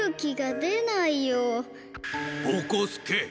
ぼこすけ！